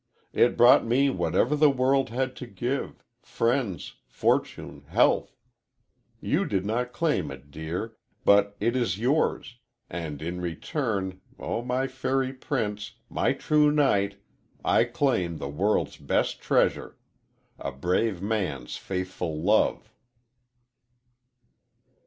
It brought me whatever the world had to give friends, fortune, health. You did not claim it, dear; but it is yours, and in return, oh, my fairy prince my true knight I claim the world's best treasure a brave man's faithful love!"